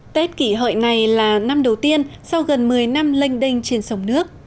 tết kỷ hợi này là năm đầu tiên sau gần một mươi năm lênh đênh trên sông nước